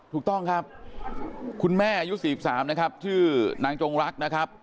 ถูกต้องครับคุณแม่อายุ๔๓นะครับชื่อนางจงรักนะครับ